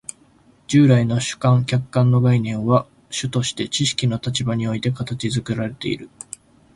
従来の主観・客観の概念は主として知識の立場において形作られている。